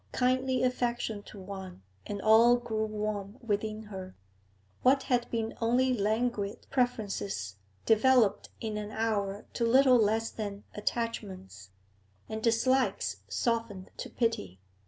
Kindly affection to one and all grew warm within her; what had been only languid preferences developed in an hour to little less than attachments, and dislikes softened to pity.